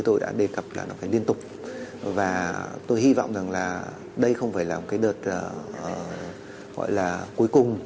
tôi đã đề cập là nó phải liên tục và tôi hy vọng rằng là đây không phải là một cái đợt gọi là cuối cùng